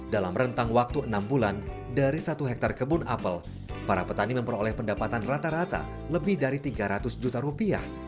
dalam rentang waktu enam bulan dari satu hektare kebun apel para petani memperoleh pendapatan rata rata lebih dari tiga ratus juta rupiah